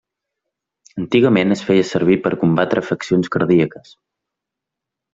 Antigament es feia servir per a combatre afeccions cardíaques.